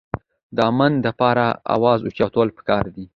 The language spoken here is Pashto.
د امن دپاره اواز اوچتول پکار دي